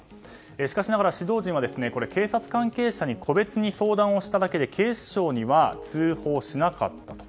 しかしながら、指導陣は警察関係者に個別に相談をしただけで警視庁には通報しなかったと。